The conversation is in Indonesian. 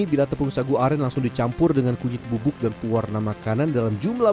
bila tepung sagu aren langsung dicampur dengan kunyit bubuk dan pewarna makanan dalam jumlah